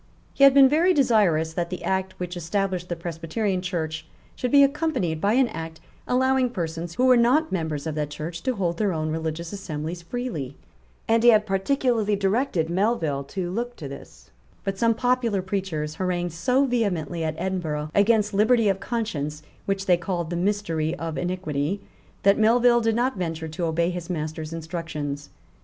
He had been very desirous that the Act which established the Presbyterian Church should be accompanied by an Act allowing persons who were not members of that Church to hold their own religious assemblies freely; and he had particularly directed Melville to look to this, But some popular preachers harangued so vehemently at Edinburgh against liberty of conscience, which they called the mystery of iniquity, that Melville did not venture to obey his master's instructions.